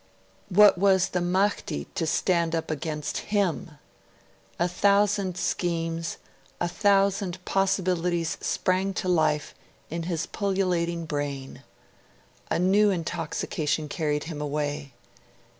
What was the Mahdi to stand up against him! A thousand schemes, a thousand possibilities sprang to life in his pullulating brain. A new intoxication carried him away.